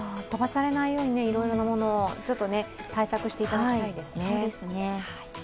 飛ばされないように、いろいろなものを対策していただきたいですね。